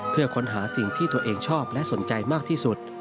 เพื่อค้นหาสิ่งที่ตัวเองชอบและสนใจมากที่สุด